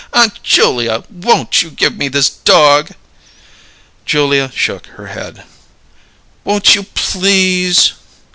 "Aunt Julia, won't you give me this dog?" Julia shook her head. "Won't you, please?"